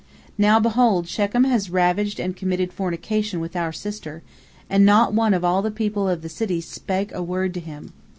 Now, behold, Shechem has ravaged and committed fornication with our sister, and not one of all the people of the city spake a word to him."